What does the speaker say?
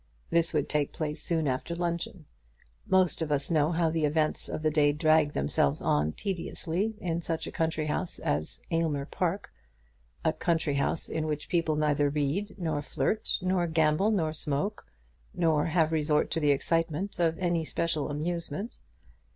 This would take place soon after luncheon. Most of us know how the events of the day drag themselves on tediously in such a country house as Aylmer Park, a country house in which people neither read, nor flirt, nor gamble, nor smoke, nor have resort to the excitement of any special amusement.